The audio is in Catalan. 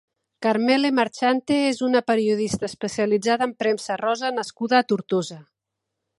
Karmele Marchante és una periodista especialitzada en premsa rosa nascuda a Tortosa.